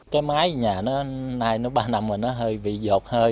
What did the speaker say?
cái máy nhà nó nay nó ba năm rồi nó hơi bị dột hơi rồi